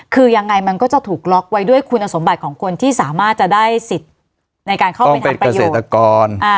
คือยังไงมันก็จะถูกล็อกไว้ด้วยคุณสมบัติของคนที่สามารถจะได้สิทธิ์ในการเข้าไปทำประโยชน์